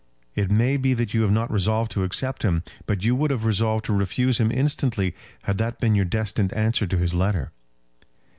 It may be that you have not resolved to accept him. But you would have resolved to refuse him instantly had that been your destined answer to his letter."